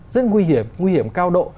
rất nguy hiểm nguy hiểm cao độ